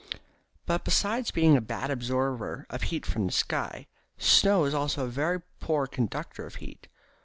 But, besides being a bad absorber of heat from the sky, snow is also a very poor conductor of heat.